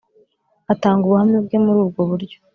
atanga ubuhamya bwe muri ubwo buryo